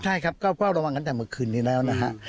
ใช่ครับก็เฝ้าระวังกันแต่เมื่อคืนนี้แล้วนะฮะ